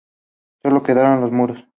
Solo quedaron los muros.